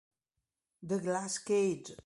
The Glass Cage